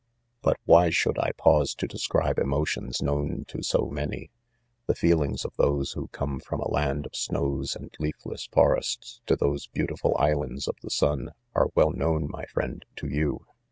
'But why Should I pause, to describe emotions known to so many 1 The feelings of those who come from a land of snows and leafless forests to those beautiful islands of the sun, are well known, my 'friend, to you.'